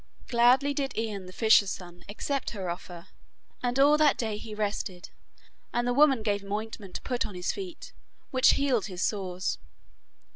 Gladly did Ian the fisher's son accept her offer, and all that day he rested, and the woman gave him ointment to put on his feet, which healed his sores.